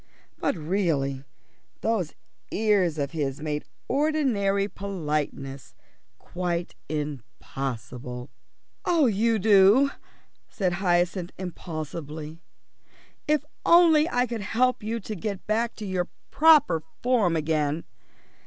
But really, those ears of his made ordinary politeness quite impossible. "Oh, Udo," said Hyacinth impulsively, "if only I could help you to get back to your proper form again."